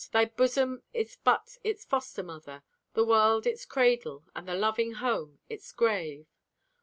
Thy busom is but its foster mother, The world its cradle, and the loving home Its grave.